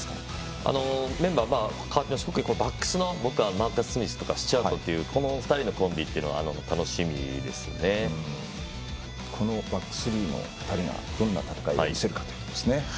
メンバー、特にバックスのマーカス・スミスとかスチュワードというこの２人のコンビっていうのはこのバックスの２人がどんな戦いを見せるかですね。